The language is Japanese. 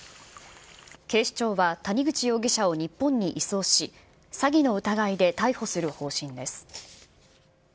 警視庁は、谷口容疑者を日本に移送し、詐欺の疑いで逮捕する方針です。